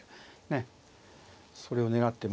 ねそれを狙って。